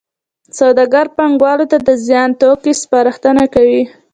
سوداګر پانګوالو ته د زیاتو توکو سپارښتنه کوي